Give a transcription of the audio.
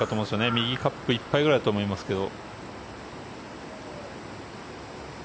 右カップいっぱいくらいだと思いますけど。